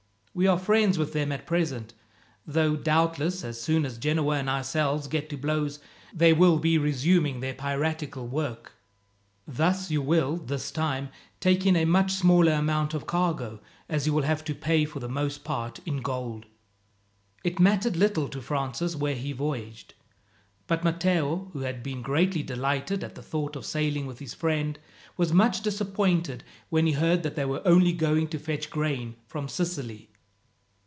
We are friends with them at present, though doubtless, as soon as Genoa and ourselves get to blows, they will be resuming their piratical work. Thus you will, this time, take in a much smaller amount of cargo, as you will have to pay for the most part in gold." It mattered little to Francis where he voyaged; but Matteo, who had been greatly delighted at the thought of sailing with his friend, was much disappointed when he heard that they were only going to fetch grain from Sicily.